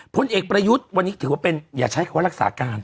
พลเอกประยุทธ์วันนี้ถือว่าเป็นอย่าใช้คำว่ารักษาการ